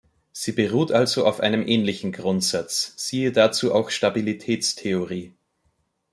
Sie beruht also auf einem ähnlichen Grundsatz, siehe dazu auch Stabilitätstheorie.